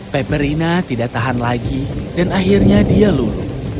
peperina tidak tahan lagi dan akhirnya dia lulu